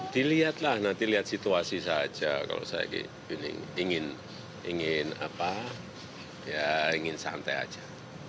dilihatlah nanti lihat situasi saja kalau saya ingin santai saja